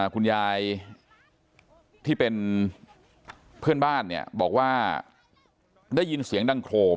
คุณยายที่เป็นเพื่อนบ้านเนี่ยบอกว่าได้ยินเสียงดังโครม